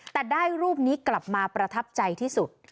แต่ได้รูปนี้กลับมาประทับใจที่สุด